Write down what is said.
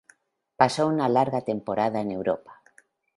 Pasó una larga temporada en Europa.